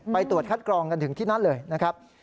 ไปตรวจคัดกรองกันถึงที่นั่นเลยนะครับ